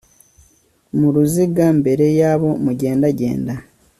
mu ruziga mbere yabo, mugendagenda